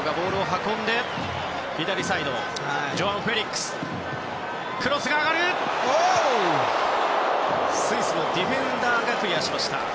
スイスのディフェンダーがクリアしました。